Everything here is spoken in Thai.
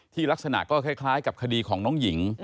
ลักษณะก็คล้ายกับคดีของน้องหญิง